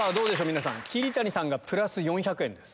皆さん桐谷さんがプラス４００円です。